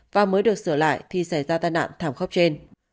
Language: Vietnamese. và mới được sửa lại thì xảy ra tai nạn thảm khốc trên